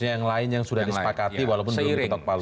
yang lain yang sudah disepakati walaupun